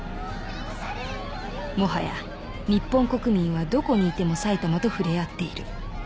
もはや日本国民はどこにいても埼玉と触れ合っている。